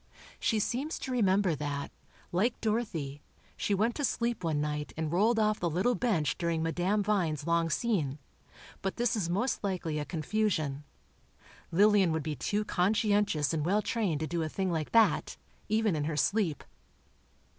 She seems to remember that, like Dorothy, she went to sleep one night and rolled off the little bench during Madame Vine's long scene, but this is most likely a confusion. Lillian would be too conscientious and well trained to do a thing like that, even in her sleep.